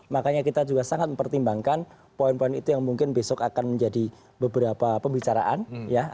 makanya kita juga sangat mempertimbangkan poin poin itu yang mungkin besok akan menjadi beberapa pembicaraan ya antara pak sby dengan pak prabowo